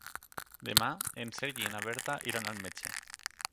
Demà en Sergi i na Berta iran al metge.